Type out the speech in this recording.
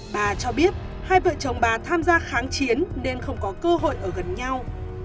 bà cho biết hai vợ chồng bà tham gia kháng chiến nên không có cơ hội ở gần nhau